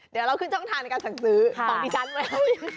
เดี๋ยวเราขึ้นช่องทางในการสั่งซื้อของดิฉันไว้